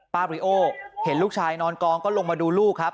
บริโอเห็นลูกชายนอนกองก็ลงมาดูลูกครับ